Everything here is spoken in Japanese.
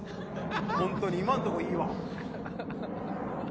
本当に今んとこいいわ！